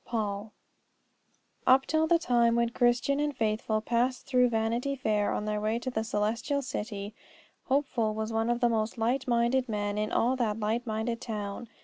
Paul Up till the time when Christian and Faithful passed through Vanity Fair on their way to the Celestial City, Hopeful was one of the most light minded men in all that light minded town.